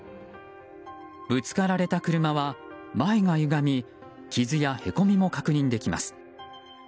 ぶつかられた車は、前がゆがみ傷やへこみも確認できます。